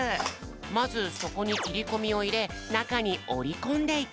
まずそこにきりこみをいれなかにおりこんでいく。